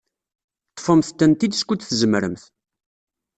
Ḍḍfemt-tent-id skud tzemremt.